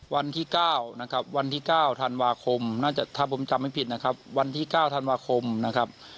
วันที่๙นะครับวันที่๙ธันวาคมน่าจะถ้าผมจำไม่ผิดนะครับวันที่๙ธันวาคมนะครับ